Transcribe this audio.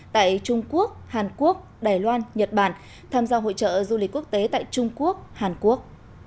tại trung quốc hàn quốc đài loan nhật bản tham gia hội trợ du lịch quốc tế tại trung quốc hàn quốc